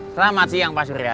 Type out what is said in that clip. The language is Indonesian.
selamat siang pak surian